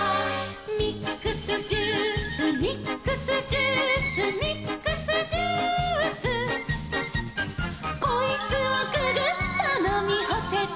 「ミックスジュースミックスジュース」「ミックスジュース」「こいつをググッとのみほせば」